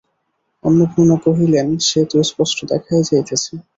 অন্নপূর্ণা কহিলেন, সে তো স্পষ্টই দেখা যাইতেছে।